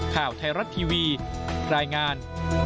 ข่าวไทยรัฐทีวีรายงาน